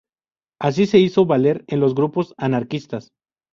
Así se hizo valer en los grupos anarquistas.